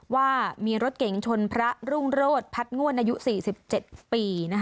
ว่ามีรถเก๋งชนพระรุ่งโรธพัดง่วนอายุ๔๗ปี